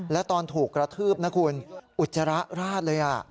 และตอนถูกกระทืบนะคุณอุจจาระราดเลย